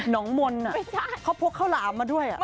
น้องมนต์เขาพกข้าวหลามมาด้วย